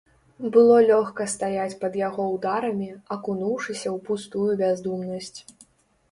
Было лёгка стаяць пад яго ўдарамі, акунуўшыся ў пустую бяздумнасць.